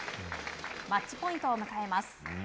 マッチポイントを迎えます。